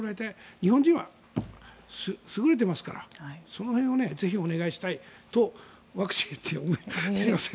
日本人は優れていますからその辺をぜひお願いしたいとワクチンを打って思いました。